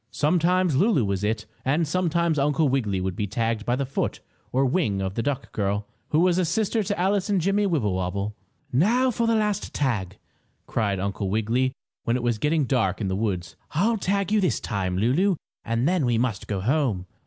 Sometimes Lulu was "it" and sometimes Uncle Wiggily would be tagged by the foot or wing of the duck girl, who was a sister to Alice and Jimmie Wibblewobble. "Now for a last tag!" cried Uncle Wiggily when it was getting dark in the woods. "I'll tag you this time, Lulu, and then we must go home."